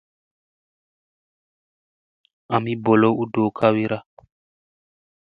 Ami bolowo u do kawira.